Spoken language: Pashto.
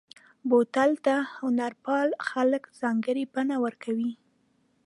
بوتل ته هنرپال خلک ځانګړې بڼه ورکوي.